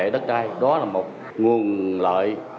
đất đai đó là một nguồn lợi